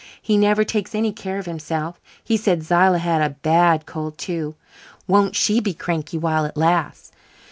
He never takes any care of himself. He said Zillah had a bad cold, too. Won't she be cranky while it lasts?"